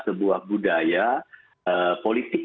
sebuah budaya politik